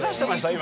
今。